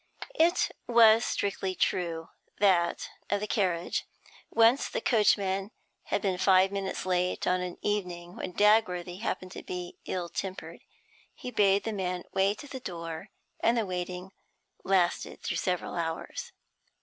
It was strictly true, that, of the carriage. Once the coachman had been five minutes late on an evening when Dagworthy happened to be ill tempered. He bade the man wait at the door, and the waiting lasted through several hours.